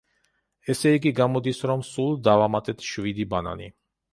ესე იგი, გამოდის, რომ სულ დავამატეთ შვიდი ბანანი.